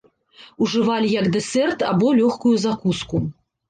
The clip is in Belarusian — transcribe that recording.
Ужывалі як дэсерт або лёгкую закуску.